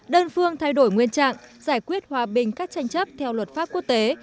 đơn phương thay đổi nguyên trạng giải quyết hòa bình các tranh chấp theo luật pháp quốc tế